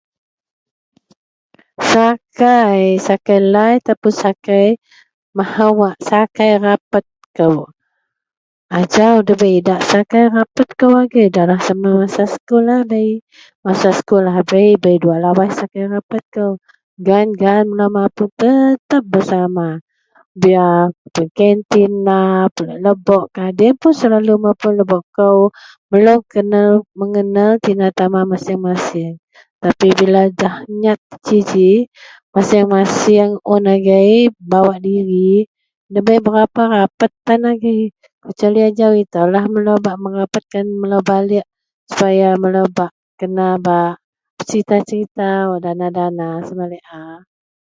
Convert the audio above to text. sakai, sakai lai ataupun sakai mahou, wak sakai rapat kou, ajau debei idak sakai rapet kou agei, dalah sama masa sekul lahabei, masa sekul lahabei bei dua lawaih sakai rapet kou gaan-gaan bak mapun tetep bersama, biar mapun kantinlah pulek lebokkah deloyien selalu pun selalu mapun lebok kou, melou kena megenal tina tama masing-masing tapi bilalah nyat itou ji, masing-masing un agei membawa diri dabei berapa rapet tan agei kecuali ajau itoulah melou bak merapet melou baliek supaya melou kena bak serita-serita wak dana sama laie a